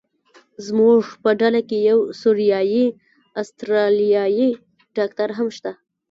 زموږ په ډله کې یو سوریایي استرالیایي ډاکټر هم شته.